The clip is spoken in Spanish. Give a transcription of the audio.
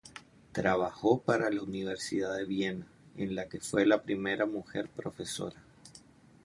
Trabajó para la Universidad de Viena, en la que fue la primera mujer profesora.